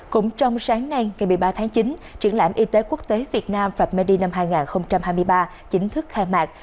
cũng trong sáng nay ngày một mươi ba tháng chín triển lãm y tế quốc tế việt nam phạm medi năm hai nghìn hai mươi ba chính thức khai mạc